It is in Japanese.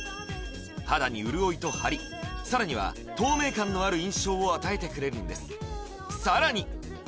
肌に潤いとハリさらには透明感のある印象を与えてくれるんですさらに